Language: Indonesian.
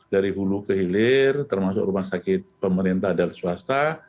dari hulu ke hilir termasuk rumah sakit pemerintah dan swasta